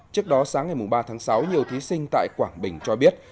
trước đó sáng ngày ba tháng sáu nhiều thí sinh tại quảng bình cho biết